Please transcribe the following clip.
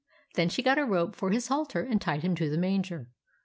Then she got a rope for his halter and tied him to the manger.